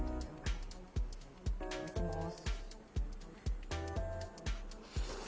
いただきます。